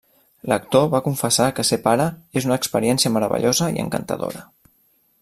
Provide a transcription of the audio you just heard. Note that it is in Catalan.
L'actor va confessar que ser pare és una experiència meravellosa i encantadora.